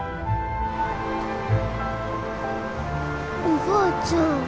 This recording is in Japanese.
おばあちゃん。